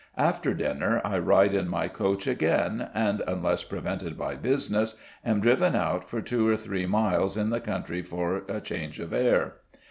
After dinner I ride in my coach again, and (unless prevented by business) am driven out for two or three miles in the country for change of air.